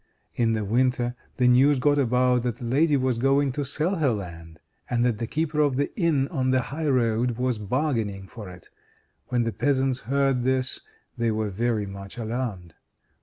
In the winter the news got about that the lady was going to sell her land, and that the keeper of the inn on the high road was bargaining for it. When the peasants heard this they were very much alarmed.